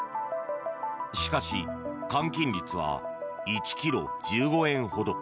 しかし、換金率は１ｋｇ１５円ほど。